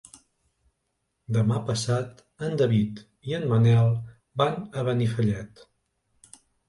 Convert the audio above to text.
Demà passat en David i en Manel van a Benifallet.